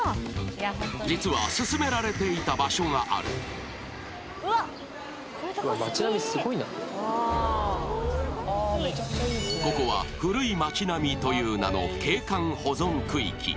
実は勧められていた場所があるここはという名の景観保存区域